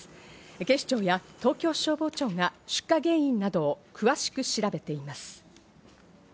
警視庁や東京消防庁が出火原因などを詳しく調べています。